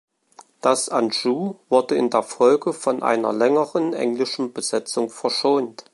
Das Anjou wurde in der Folge von einer längeren englischen Besetzung verschont.